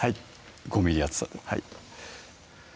５ｍｍ厚さではい